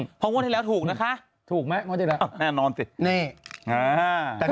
พองว่างที่ที่แล้วถูกนะคะแน่นอนสิ